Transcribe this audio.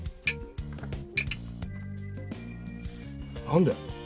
何で？